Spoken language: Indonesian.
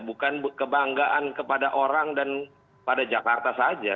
bukan kebanggaan kepada orang dan pada jakarta saja